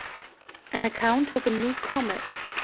• An Account of a new Comet.